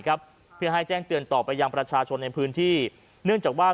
ครับเพื่อให้แจ้งเตือนต่อไปยังประชาชนในพื้นที่เนื่องจากว่า